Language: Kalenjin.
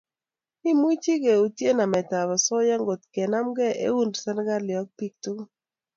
Imuchi keutye nametab osoya ngotkonamkei eun serkali ak bik tugul